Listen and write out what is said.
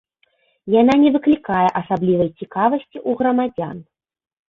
Яна не выклікае асаблівай цікавасці ў грамадзян.